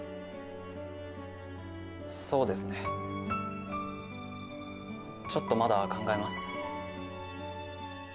そうですねちょっとまだ考えます